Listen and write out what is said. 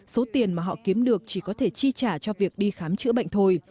số tiền mà họ kiếm được chỉ có thể chi trả cho việc đi khám chữa bệnh thôi